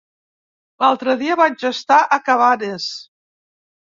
L'altre dia vaig estar a Cabanes.